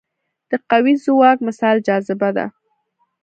د قوي ځواک مثال جاذبه ده.